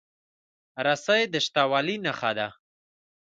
رسۍ د شته والي نښه ده.